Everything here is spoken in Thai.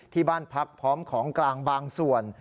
ที่บ้านพักพร้อมของกลางบางส่วน